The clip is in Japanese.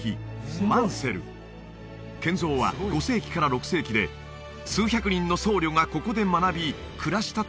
マンセル建造は５世紀から６世紀で数百人の僧侶がここで学び暮らしたと考えられている